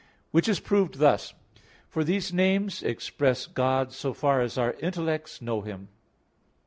Which is proved thus. For these names express God, so far as our intellects know Him.